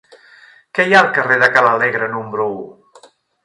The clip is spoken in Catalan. Què hi ha al carrer de Ca l'Alegre número u?